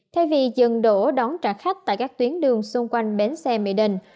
thay vì dừng đổ đón trả khách tại các tuyến đường xung quanh bến xe mỹ đình